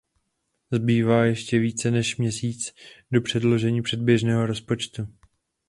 Zbývá ještě více než měsíc do předložení předběžného rozpočtu.